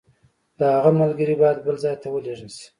د هغه ملګري باید بل ځای ته ولېږل شي.